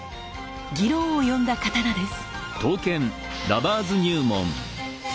議論を呼んだ刀です。